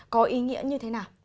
có ý nghĩa như thế nào